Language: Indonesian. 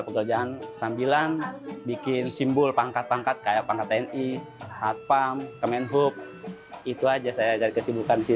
pekerjaan sambilan bikin simbol pangkat pangkat kayak pangkat tni satpam kemenhub itu aja saya jadi kesibukan di sini